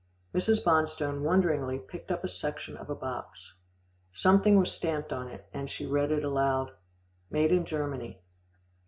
Mrs. Bonstone wonderingly picked up a section of a box. Something was stamped on it, and she read it aloud, "Made in Germany."